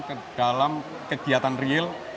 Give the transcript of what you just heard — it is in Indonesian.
ke dalam kegiatan real